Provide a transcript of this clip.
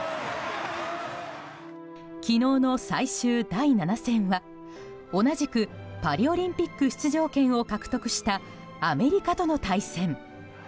昨日の最終第７戦は同じくパリオリンピック出場権を獲得したアメリカとの対戦。